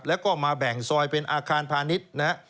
แล้วก็มาแบ่งซอยเป็นอาคารพาณิชย์นะฮะ